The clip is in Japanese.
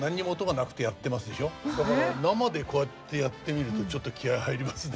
だから生でこうやってやってみるとちょっと気合い入りますね。